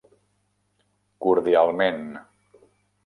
Cordialment.